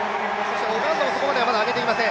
オガンドもそこまで上げてません。